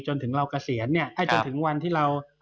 จนถึงเราเกษียณเนี่ยให้จนถึงวันที่เรา